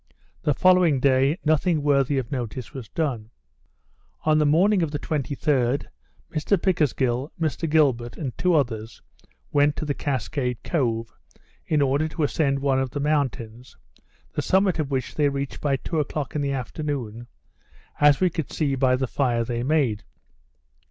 The following day nothing worthy of notice was done. In the morning of the 23d, Mr Pickersgill, Mr Gilbert, and two others, went to the Cascade Cove, in order to ascend one of the mountains, the summit of which they reached by two o'clock in the afternoon, as we could see by the fire they made.